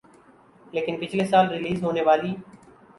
لیکن پچھلے سال ریلیز ہونے والی